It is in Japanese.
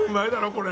これ。